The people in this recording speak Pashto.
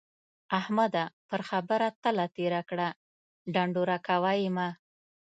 احمده! پر خبره تله تېره کړه ـ ډنډوره کوه يې مه.